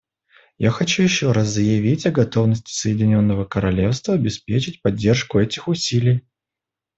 Я хочу еще раз заявить о готовности Соединенного Королевства обеспечить поддержку этих усилий.